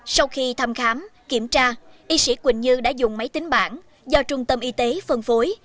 sau khi thăm khám kiểm tra y sĩ quỳnh như đã dùng máy tính bản do trung tâm y tế phân phối